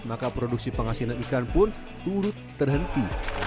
maka produksi penghasilan ikan pun turut terhenti